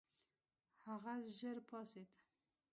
هغه ژر پاڅېد.